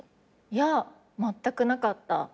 いやまったくなかった。